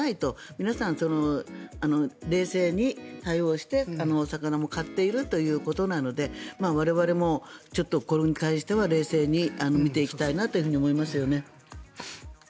皆さん、冷静に対応して魚も買っているということなので我々もちょっとこれに関しては冷静に見ていきたいなと思いますね。